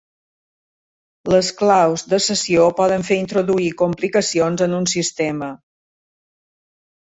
Les claus de sessió poden fer introduir complicacions en un sistema.